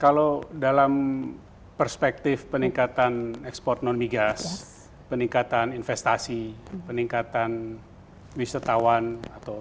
kalau dalam perspektif peningkatan ekspor non migas peningkatan investasi peningkatan wisatawan atau